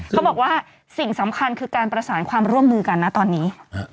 เขาบอกว่าสิ่งสำคัญคือการประสานความร่วมมือกันนะตอนนี้